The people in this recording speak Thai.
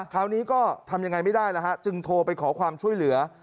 คราวนี้ก็ทำยังไงไม่ได้แล้วฮะจึงโทรไปขอความช่วยเหลือ